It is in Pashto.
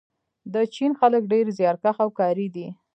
د چین خلک ډېر زیارکښ او کاري دي.